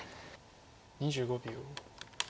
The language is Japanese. ２５秒。